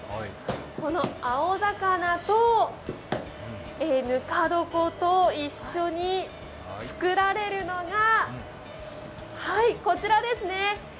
この青魚とぬか床と一緒に作られるのがこちらですね。